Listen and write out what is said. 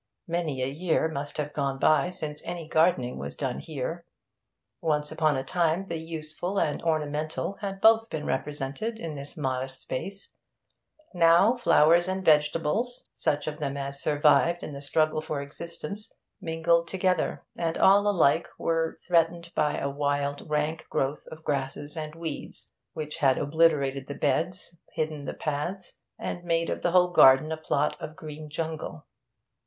Many a year must have gone by since any gardening was done here. Once upon a time the useful and ornamental had both been represented in this modest space; now, flowers and vegetables, such of them as survived in the struggle for existence, mingled together, and all alike were threatened by a wild, rank growth of grasses and weeds, which had obliterated the beds, hidden the paths, and made of the whole garden plot a green jungle.